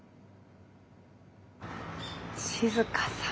静さん。